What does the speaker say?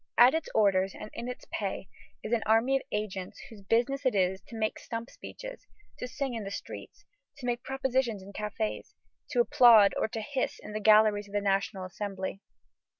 At its orders and in its pay is an army of agents whose business it is to make stump speeches, to sing in the streets, to make propositions in cafés, to applaud or to hiss in the galleries of the National Assembly.